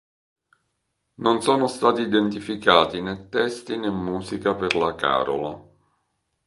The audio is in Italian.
Non sono stati identificati né testi né musica per la carola.